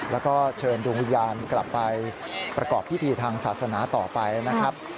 แล้วก็เชิญดวงวิญญาณกลับไปประกอบพิธีทางศาสนาต่อไปนะครับ